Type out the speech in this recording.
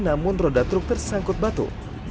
namun roda truk tersangkut batu